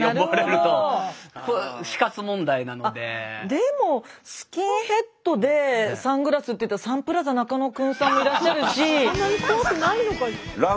でもスキンヘッドでサングラスっていったらサンプラザ中野くんさんもいらっしゃるし。